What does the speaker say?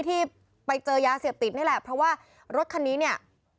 ที่ไปเจอยาเสพติดนี่แหละเพราะว่ารถคันนี้เนี่ย